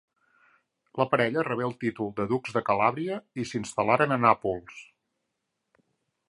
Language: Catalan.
La parella rebé el títol de ducs de Calàbria i s'instal·laren a Nàpols.